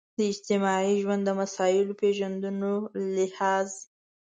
د اجتماعي ژوند د مسایلو پېژندلو لحاظ.